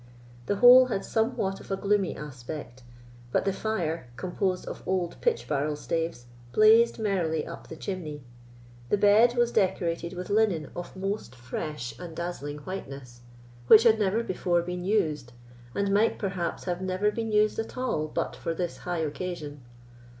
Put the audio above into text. The whole had somewhat of a gloomy aspect; but the fire, composed of old pitch barrel staves, blazed merrily up the chimney; the bed was decorated with linen of most fresh and dazzling whiteness, which had never before been used, and might, perhaps, have never been used at all, but for this high occasion.